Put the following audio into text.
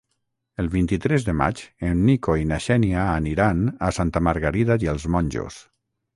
El vint-i-tres de maig en Nico i na Xènia aniran a Santa Margarida i els Monjos.